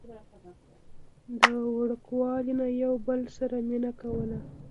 د وړوکوالي نه يو بل سره مينه کوله